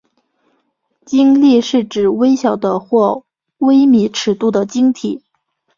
晶粒是指微小的或微米尺度的晶体。